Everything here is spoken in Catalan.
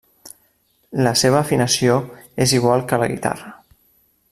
La seva afinació és igual que la guitarra.